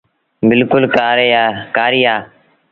بلڪُل ڪآري اهي۔